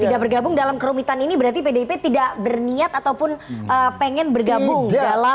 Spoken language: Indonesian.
tidak bergabung dalam kerumitan ini berarti pdip tidak berniat ataupun pengen bergabung dalam